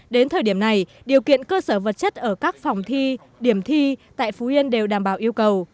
đến thời điểm này điều kiện cơ sở vật chất ở các phòng thi điểm thi tại phú yên đều đảm bảo yêu cầu